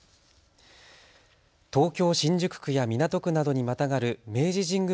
東京新宿区や港区などにまたがる明治神宮